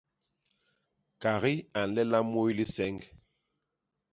Kagi a nlela muy liseñg.